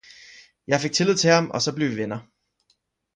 jeg fik Tillid til ham og saa bleve vi Venner.